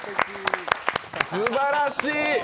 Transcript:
すばらしい！